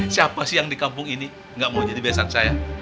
siapa sih yang di kampung ini gak mau jadi besan saya